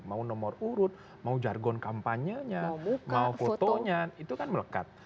mau nomor urut mau jargon kampanyenya mau fotonya itu kan melekat